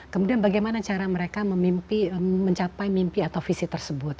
kemudian bagaimana cara mereka mencapai mimpi atau visi tersebut